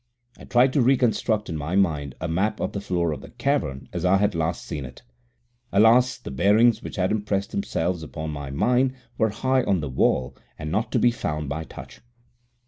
I tried to reconstruct in my mind a map of the floor of the cavern as I had last seen it. Alas! the bearings which had impressed themselves upon my mind were high on the wall, and not to be found by touch.